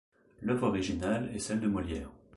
L’œuvre originale est celle de Molière.